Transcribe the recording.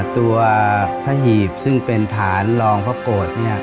ตัวพระหีบซึ่งเป็นฐานรองพระโกฎ